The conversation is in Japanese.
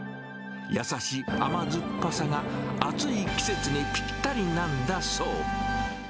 優しい甘酸っぱさが暑い季節にぴったりなんだそう。